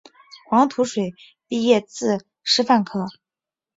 黄土水毕业自师范科